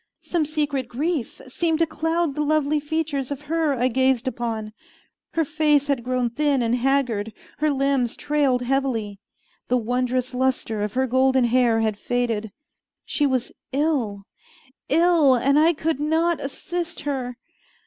Some secret grief seemed to cloud the lovely features of her I gazed upon. Her face had grown thin and haggard; her limbs trailed heavily; the wondrous lustre of her golden hair had faded. She was ill ill, and I could not assist her!